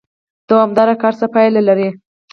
دوامدار کار څه پایله لري؟